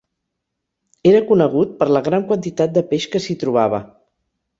Era conegut per la gran quantitat de peix que s'hi trobava.